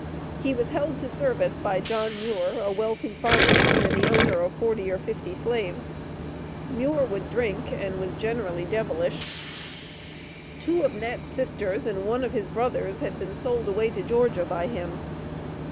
He was held to service by John Muir, a wealthy farmer, and the owner of 40 or 50 slaves. "Muir would drink and was generally devilish." Two of Nat's sisters and one of his brothers had been "sold away to Georgia by him."